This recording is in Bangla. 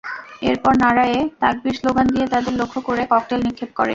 এরপর নারায়ে তাকবির স্লোগান দিয়ে তাদের লক্ষ্য করে ককটেল নিক্ষেপ করে।